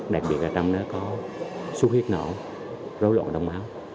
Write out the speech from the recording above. đặc biệt là trong nó có su huyết nổ rối loạn trong máu